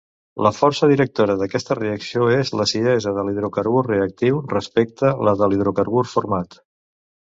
La força directora d'aquesta reacció és l'acidesa de l'hidrocarbur reactiu respecte la de l'hidrocarbur format.